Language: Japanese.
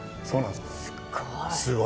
そうなんです。